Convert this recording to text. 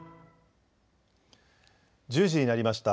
１０時になりました。